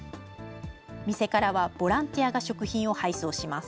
店からはボランティアが食品を配送します。